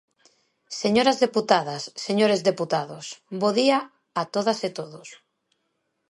Señoras deputadas, señores deputados, bo día a todas e todos.